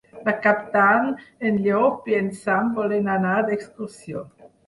Per Cap d'Any en Llop i en Sam volen anar d'excursió.